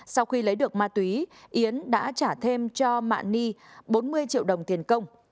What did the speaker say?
sau khi lấy được ma túy yến đã trả thêm cho mạ ni bốn mươi triệu đồng tiền công